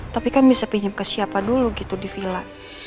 tapi kan bisa pinjam ke siapa dulu gitu di villa